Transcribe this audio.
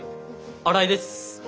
新井です。